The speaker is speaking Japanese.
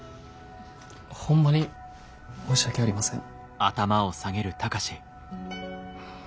ホンマに申し訳ありません。